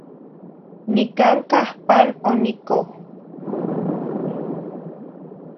Nicancah pan, onicoh.